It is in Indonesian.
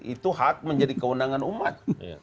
itu hak menjadi kewenangan umat